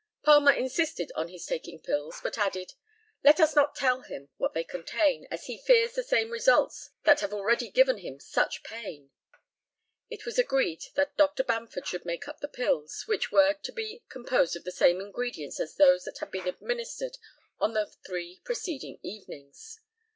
Palmer insisted on his taking pills, but added, "Let us not tell him what they contain, as he fears the same results that have already given him such pain." It was agreed that Dr. Bamford should make up the pills, which were to be composed of the same ingredients as those that had been administered on the three preceding evenings.